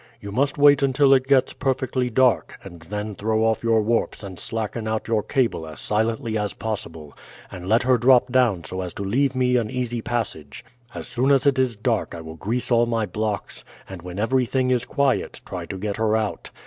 You must wait until it gets perfectly dark, and then throw off your warps and slacken out your cable as silently as possible, and let her drop down so as to leave me an easy passage. As soon as it is dark I will grease all my blocks, and when everything is quiet try to get her out.